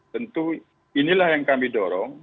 tentu inilah yang kami dorong